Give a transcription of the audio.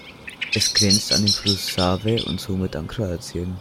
Es grenzt an den Fluss Save und somit an Kroatien.